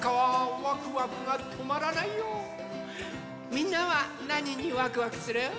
みんなはなににワクワクする？